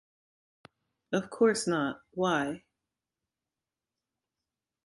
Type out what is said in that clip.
Of course not; why?